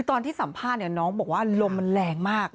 ตอนที่สัมภาษณ์น้องบอกว่าลมมันแรงมาก